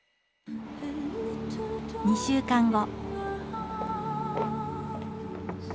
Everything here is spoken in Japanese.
２週間後。